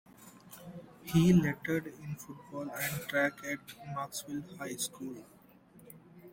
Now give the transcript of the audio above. He lettered in football and track at Marksville High School.